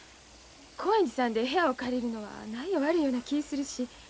興園寺さんで部屋を借りるのは何や悪いような気ぃするし。